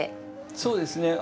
そうですね。